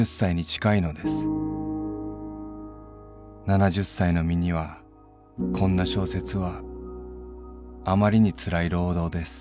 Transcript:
七十歳の身にはこんな小説はあまりに辛い労働です。